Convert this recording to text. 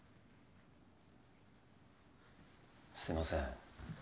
すいません